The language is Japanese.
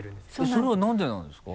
それはなんでなんですか？